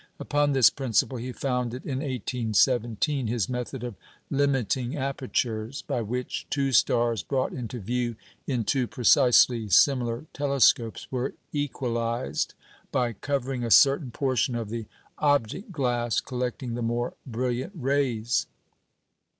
Upon this principle he founded in 1817 his method of "limiting apertures," by which two stars, brought into view in two precisely similar telescopes, were "equalised" by covering a certain portion of the object glass collecting the more brilliant rays.